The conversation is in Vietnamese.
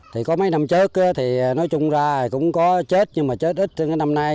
thì có mấy năm trước thì nói chung ra cũng có chết nhưng mà chết ít năm nay